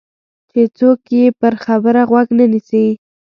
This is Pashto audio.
چې څوک یې پر خبره غوږ نه نیسي.